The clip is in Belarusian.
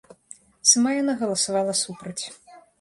Сама яна галасавала супраць.